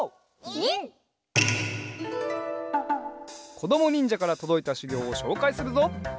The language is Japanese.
こどもにんじゃからとどいたしゅぎょうをしょうかいするぞ。